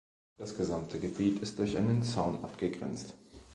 Das gesamte Gebiet ist durch einen Zaun abgegrenzt.